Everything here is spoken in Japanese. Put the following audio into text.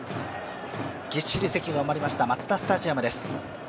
ぎっしり席が埋まりましたマツダスタジアムです。